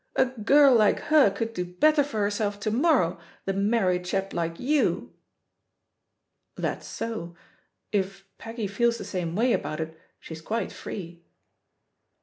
A girl like her could do better for herself to morrow than maiTy a chap like youl "That's so. If Peggy feels the same way about it, she's quite free."